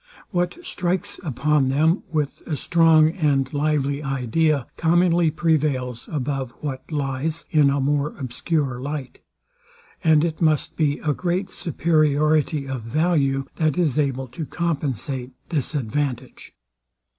What strikes upon them with a strong and lively idea commonly prevails above what lies in a more obscure light; and it must be a great superiority of value, that is able to compensate this advantage.